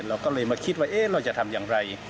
เราก็เลยมาคิดว่าเราจะทำอย่างไร